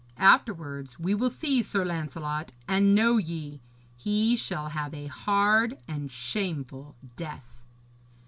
Afterwards we will seize Sir Lancelot; and know ye, he shall have a hard and shameful death.'